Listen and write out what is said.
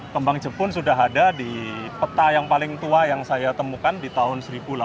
kembang jepun sudah ada di peta yang paling tua yang saya temukan di tahun seribu delapan ratus